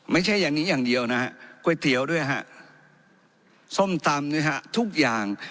ไม่ใช่อย่างนี้อย่างเดียวนะฮะก๋วยเตี๋ยวด้วยฮะส้มตำนะฮะทุกอย่าง